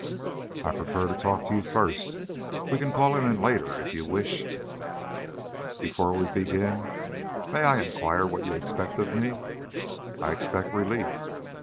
"I prefer to talk to you, first. We can call him in later if you wish." "Before we begin, may I inquire what you expect of me?" "I expect relief."